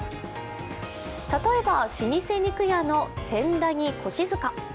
例えば、老舗肉屋の千駄木越塚。